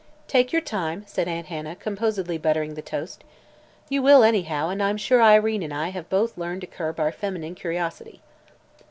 "Take your time," said Aunt Hannah, composedly buttering the toast. "You will, anyhow, and I'm sure Irene and I have both learned to curb our feminine curiosity."